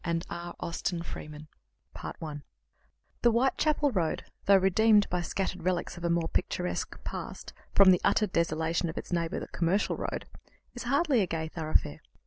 VIII A MESSAGE FROM THE DEEP SEA The Whitechapel Road, though redeemed by scattered relics of a more picturesque past from the utter desolation of its neighbour the Commercial Road, is hardly a gay thoroughfare.